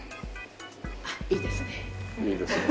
あっいいですね。